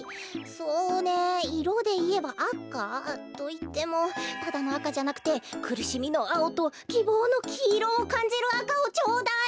そうねいろでいえばあかといってもただのあかじゃなくてくるしみのあおときぼうのきいろをかんじるあかをちょうだい！